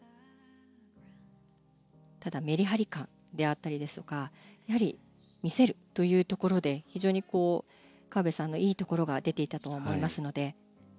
ただメリハリ感であったりですとか見せるというところで、非常に河辺さんのいいところが出ていたと思います。